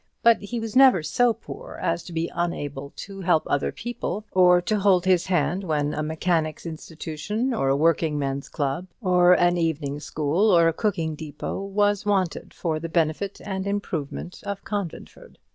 But he was never so poor as to be unable to help other people, or to hold his hand when a mechanics' institution, or a working men's club, or an evening school, or a cooking dépôt, was wanted for the benefit and improvement of Conventford.